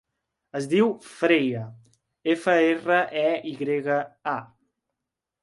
Es diu Freya: efa, erra, e, i grega, a.